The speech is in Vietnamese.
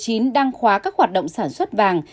covid một mươi chín đang khóa các hoạt động sản xuất vàng